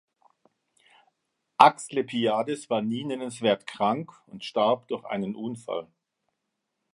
Asklepiades war nie nennenswert krank und starb durch einen Unfall.